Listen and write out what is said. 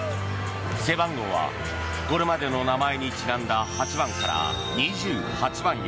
背番号はこれまでの名前にちなんだ８番から２８番へ。